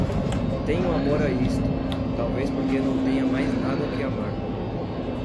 Tenho amor a isto, talvez porque não tenha mais nada que amar